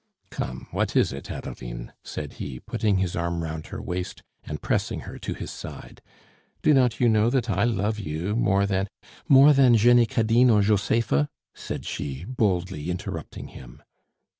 "Come, what is it, Adeline?" said he, putting his arm round her waist and pressing her to his side. "Do not you know that I love you more than " "More than Jenny Cadine or Josepha!" said she, boldly interrupting him.